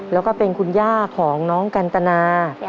แล้วก็เป็นคุณย่าของน้องกันตนา